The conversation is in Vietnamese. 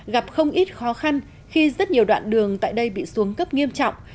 gặp không ít khó khăn khi rất nhiều đoạn đường tại đây bị xuống cấp nghiêm trọng